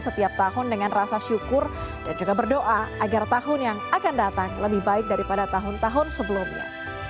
setiap tahun dengan rasa syukur dan juga berdoa agar tahun yang akan datang lebih baik daripada tahun tahun sebelumnya